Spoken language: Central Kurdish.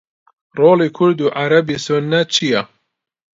ڕۆڵی کورد و عەرەبی سوننە چییە؟